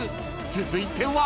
［続いては］